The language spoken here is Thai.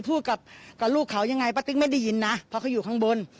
พูดกับลูกเขายังไงป้าติ๊กไม่ได้ยินนะเพราะเขาอยู่ข้างบน